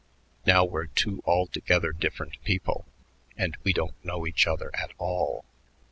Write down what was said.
Now we're two altogether different people; and we don't know each other at all."